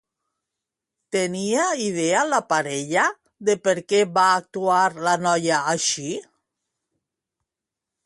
Tenia idea la parella de per què va actuar la noia així?